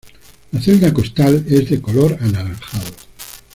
La celda costal es de color anaranjado.